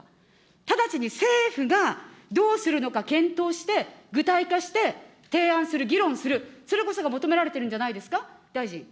直ちに政府がどうするのか検討して、具体化して、提案する、議論する、それこそが求められてるんじゃないんですか。